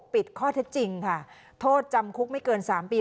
ปิดข้อเท็จจริงค่ะโทษจำคุกไม่เกิน๓ปี